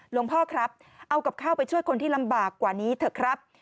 หลวงพ่อครับเอากับข้าวไปช่วยคนที่ลำบากกว่านี้เถอะครับ